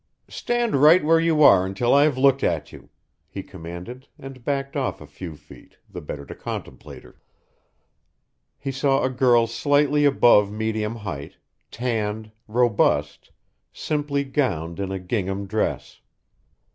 "Stand right where you are until I have looked at you," he commanded, and backed off a few feet, the better to contemplate her. He saw a girl slightly above medium height, tanned, robust, simply gowned in a gingham dress.